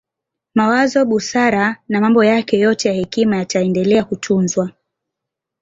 Mawazo busara na mambo yake yote ya hekima yataendele kutunzwa